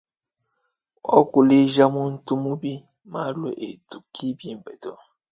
Wakuleja muntu mubi malu etu ki mbimpe to.